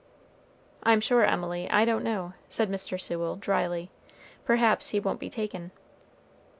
"I'm sure, Emily, I don't know," said Mr. Sewell dryly; "perhaps he won't be taken."